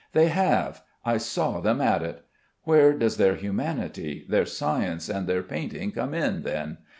They have, I saw them at it. Where does their humanity, their science, and their painting come in, then?